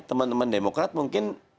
teman teman demokrat mungkin